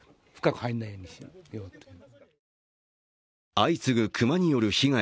相次ぐ熊による被害。